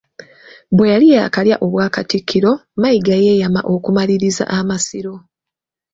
Bwe yali yaakalya Obwakatikkiro, Mayiga yeeyama okumaliriza Amasiro